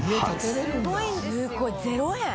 「すごい。０円？」